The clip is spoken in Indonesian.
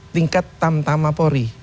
tingkat tamtama polri